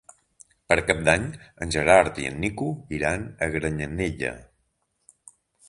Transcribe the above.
Per Cap d'Any en Gerard i en Nico iran a Granyanella.